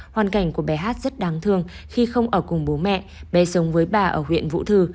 hoàn cảnh của bé hát rất đáng thương khi không ở cùng bố mẹ bé sống với bà ở huyện vũ thư